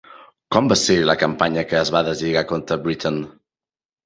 Com va ser la campanya que es va deslligar contra Britten?